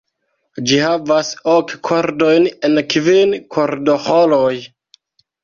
Ĝi havas ok kordojn en kvin kordoĥoroj.